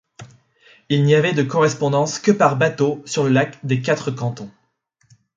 Il n'y avait de correspondance que par bateau sur le lac des Quatre-Cantons.